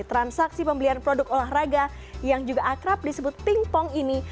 transaksi pembelian produk olahraga yang juga akrab disebut pingpong ini